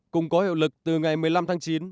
cùng có hiệu lực từ ngày một mươi năm tháng chín